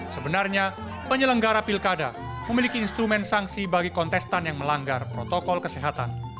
sebenarnya penyelenggara pilkada memiliki instrumen sanksi bagi kontestan yang melanggar protokol kesehatan